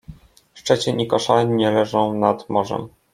Szczecin i Koszalin nie leżą nad morzem.